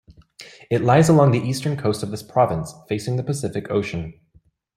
It lies along the eastern coast of this province, facing the Pacific Ocean.